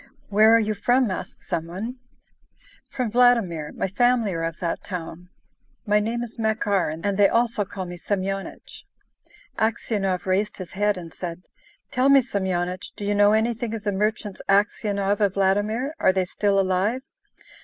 "Where are you from?" asked some one. "From Vladimir. My family are of that town. My name is Makar, and they also call me Semyonich." Aksionov raised his head and said: "Tell me, Semyonich, do you know anything of the merchants Aksionov of Vladimir? Are they still alive?"